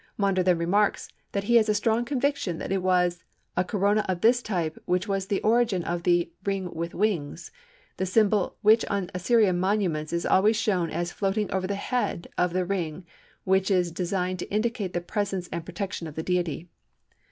Maunder then remarks that he has a strong conviction that it was a Corona of this type which was the origin of the "Ring with Wings," the symbol which on Assyrian monuments is always shown as floating over the head of the ring which is designed to indicate the presence and protection of the Deity.